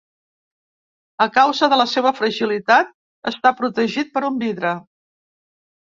A causa de la seva fragilitat, està protegit per un vidre.